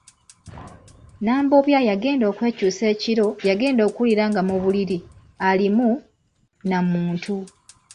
Nambobya yagenda okwekyusa ekiro yagenda okuwulira nga mu buliri alimu na muntu.